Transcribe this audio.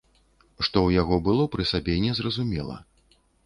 Што ў яго было пры сабе, незразумела.